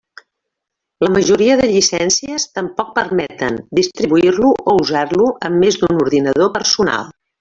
La majoria de llicències tampoc permeten distribuir-lo o usar-lo en més d'un ordinador personal.